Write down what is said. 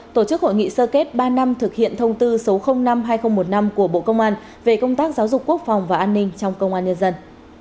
tổ chức hội nghị sơ kết ba năm thực hiện thông tư số năm hai nghìn một mươi năm của bộ công an về công tác giáo dục quốc phòng và an ninh trong công an nhân dân